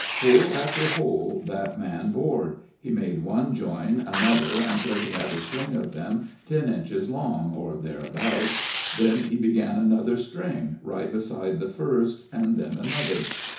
Hole after hole that man bored; he made one join another until he had a string of them ten inches long, or thereabouts; then he began another string, right beside the first, and then another.